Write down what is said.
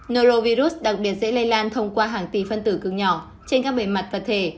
norovirus đặc biệt dễ lây lan thông qua hàng tỷ phân tử cứng nhỏ trên các bề mặt vật thể